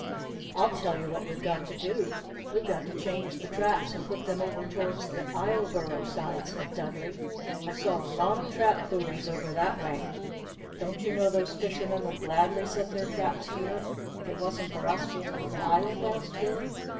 "I'll tell you what we've got to do, we've got to change the traps and put them over towards the Isleboro side," said Dudley. "I saw a lot of trap buoys over that way." "Don't you know those fishermen would gladly set their traps here if it wasn't for us being on the island?" asked Billy.